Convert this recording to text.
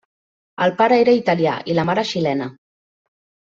El pare era italià i la mare xilena.